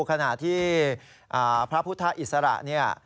ขณะที่พระพุทธอิสระเนี่ย